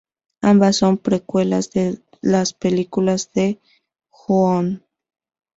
Ambas son precuelas de las películas de Ju-on.